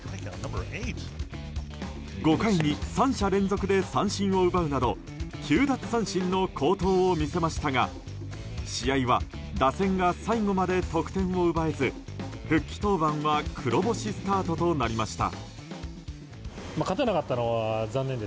５回に３者連続で三振を奪うなど９奪三振の好投を見せましたが試合は打線が最後まで得点を奪えず復帰登板は黒星スタートとなりました。